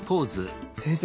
先生